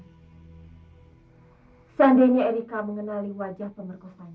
hai gendian jika mengenali wajah pemerat loudly